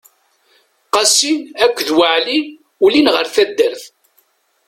Qasi akked Waɛli ulin ɣer taddart.